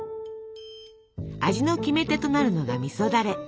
味のキメテとなるのがみそだれ。